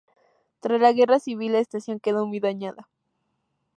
Tras la Guerra Civil la estación quedó muy dañada.